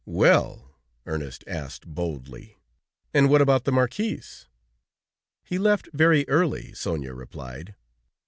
"Well!" Ernest asked boldly, "and what about the Marquis?" "He left very early," Sonia replied.